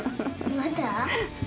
まだ？